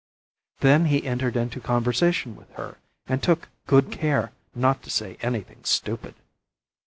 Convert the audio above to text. Then he entered into conversation with her, and took good care not to say any thing stupid.